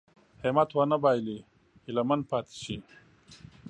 همت ونه بايلي هيله من پاتې شي.